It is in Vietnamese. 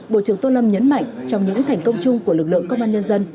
bộ trưởng tô lâm nhấn mạnh trong những thành công chung của lực lượng công an nhân dân